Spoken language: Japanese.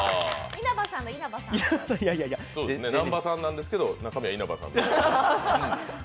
南波さんなんですけど中身は稲葉さん。